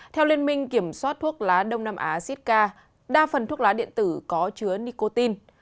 theo liên minh kiểm soát thuốc lá đông nam á siska đa phần thuốc lá điện tử có chứa nicotine